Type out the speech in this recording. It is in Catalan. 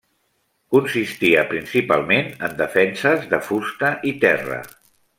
Consistia principalment en defenses de fusta i terra.